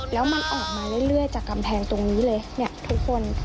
แล้วมันออกมาเรื่อยจากกำแพงตรงนี้เลยเนี่ยทุกคน